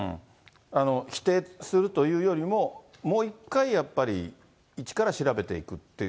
否定するというよりも、もう一回やっぱり一から調べていくって。